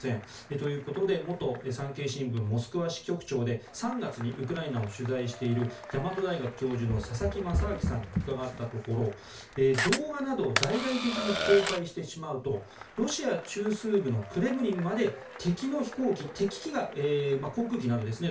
ということで元産経新聞モスクワ支局長で３月にウクライナを取材している大和大学教授の佐々木正明さんに伺ったところ動画などを大々的に公開してしまうとロシア中枢部のクレムリンまで敵の飛行機、敵機が航空機などですね。